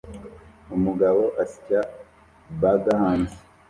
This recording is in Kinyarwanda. Umugabo asya burger hanze